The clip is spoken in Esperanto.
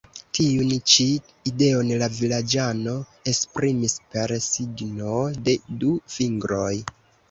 Tiun ĉi ideon la vilaĝano esprimis per signo de du fingroj.